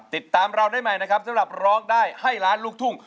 ติดตามเราได้ใหม่นะครับสำหรับร้องได้ให้ล้านลูกทุ่ง